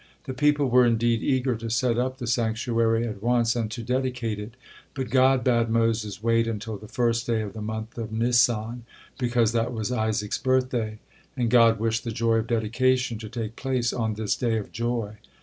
The people were indeed eager to set up the sanctuary at once and to dedicate it, but God bade Moses wait until the first day of the month of Nisan, because that was Isaac's birthday, and God wished the joy of dedication to take place on this day of joy.